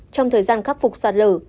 trong thời gian khắc phục sạt lở